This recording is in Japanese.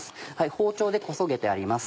包丁でこそげてあります。